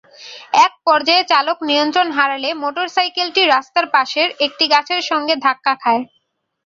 একপর্যায়ে চালক নিয়ন্ত্রণ হারালে মোটরসাইকেলটি রাস্তার পাশের একটি গাছের সঙ্গে ধাক্কা খায়।